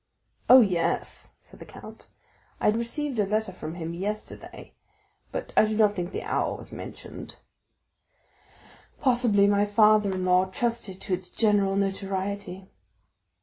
"Oh, yes," said the count; "I received a letter from him yesterday, but I do not think the hour was mentioned." "Possibly my father in law trusted to its general notoriety."